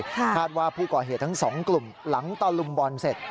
คาดว่าผู้ก่อเหตุทั้งสองกลุ่มหลังตะลุมบอลเสร็จ